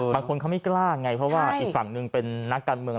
บางคนเขาไม่กล้าไงเพราะว่าอีกฝั่งหนึ่งเป็นนักการเมือง